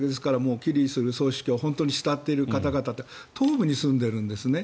キリル総主教を本当に慕っている方々は東部に住んでるんですね。